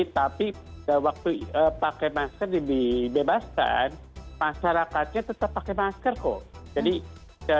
tapi waktu pakai masker dibebaskan masyarakatnya tetap pakai masker kok